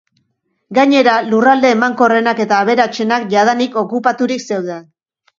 Gainera, lurralde emankorrenak eta aberatsenak jadanik okupaturik zeuden.